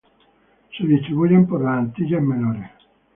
Se distribuyen por las Antillas menores.